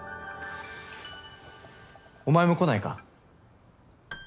お前も来ないか？